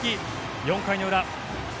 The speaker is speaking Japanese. ４回の裏。